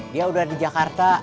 dia udah di jakarta